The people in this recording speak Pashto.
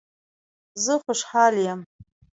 زه خوشحال یم